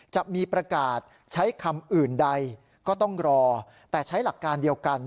จะมีประกาศใช้คำอื่นใดก็ต้องรอแต่ใช้หลักการเดียวกัน